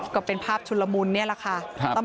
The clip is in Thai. ก็เป็นภาพชุนลมุลนี้ละค่ะ